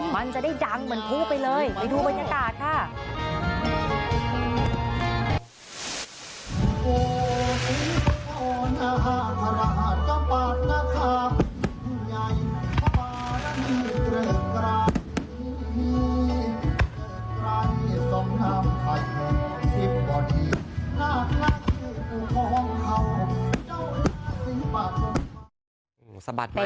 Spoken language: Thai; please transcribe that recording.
มันจะได้ดังเหมือนผู้ไปเลยไปดูบรรยากาศค่ะ